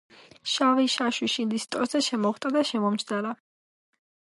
შავი შაშვი შინდის შტოზე შემოხტა და შემომჯდარა.